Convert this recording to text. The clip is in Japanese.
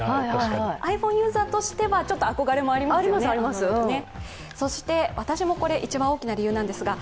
ｉＰｈｏｎｅユーザーとしては、ちょっと憧れもありますよね。